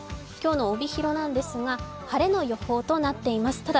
今日の帯広なんですが晴れの予報となっています。